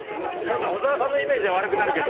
小澤さんのイメージは悪くなるけど。